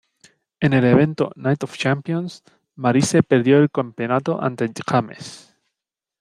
En el evento "Night of Champions", Maryse perdió el campeonato ante James.